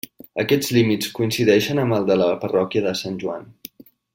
Aquests límits coincideixen amb els de la parròquia de Sant Joan.